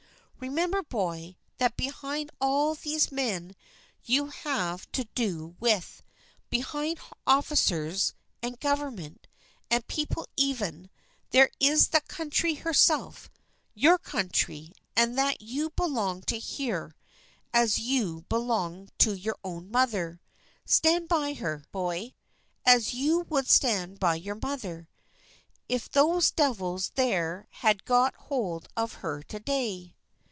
Remember, boy, that behind all these men you have to do with, behind officers, and government, and people even, there is the country herself, your country, and that you belong to her as you belong to your own mother. Stand by her, boy, as you would stand by your mother, if those devils there had got hold of her to day!"